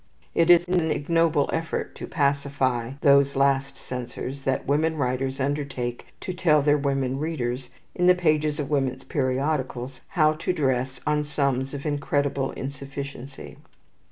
It is in an ignoble effort to pacify these last censors that women writers undertake to tell their women readers, in the pages of women's periodicals, how to dress on sums of incredible insufficiency.